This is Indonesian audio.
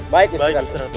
baik gusti ratu